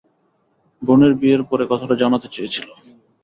বোনের বিয়ের পরে কথাটা জানাতে চেয়েছিলাম।